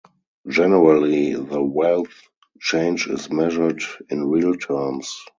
Generally, the wealth change is measured in real terms.